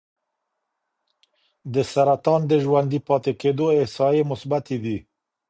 د سرطان د ژوندي پاتې کېدو احصایې مثبتې دي.